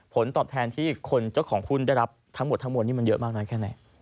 ผลตอบแทนที่คนเจ้าของคุณได้รับทั้งหมดนี่มันเยอะมากนานแค่ไหน